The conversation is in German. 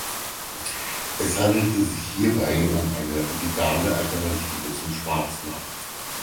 Es handelte sich hierbei um eine legale Alternative zum Schwarzmarkt.